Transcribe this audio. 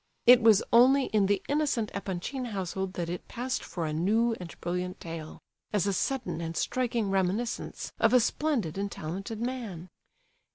It was only in the innocent Epanchin household that it passed for a new and brilliant tale—as a sudden and striking reminiscence of a splendid and talented man.